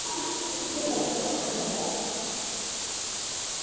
kupitia bajeti za halmashauri na kutoa ushauri kuhusu sera za taifa